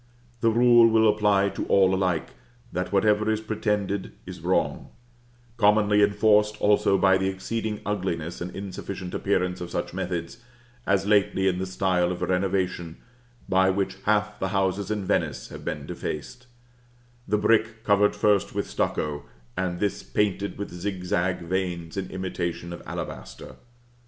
The rule will apply to all alike, that whatever is pretended, is wrong; commonly enforced also by the exceeding ugliness and insufficient appearance of such methods, as lately in the style of renovation by which half the houses in Venice have been defaced, the brick covered first with stucco, and this painted with zigzag veins in imitation of alabaster.